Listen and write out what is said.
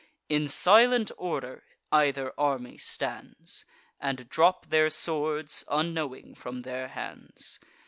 In silent order either army stands, And drop their swords, unknowing, from their hands.